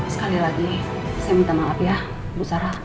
sekali lagi saya minta maaf ya bu sarah